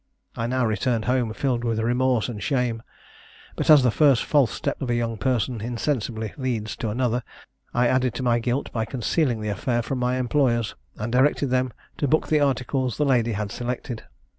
I now returned home, filled with remorse and shame; but, as the first false step of a young person insensibly leads to another, I added to my guilt by concealing the affair from my employers, and directed them to book the articles the lady had selected.